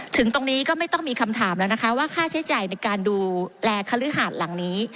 ถึงตรงนี้ก็ไม่ต้องมีคำถามแล้วนะคะว่าค่าใช้จ่ายในการดูแลคฤหาดหลังนี้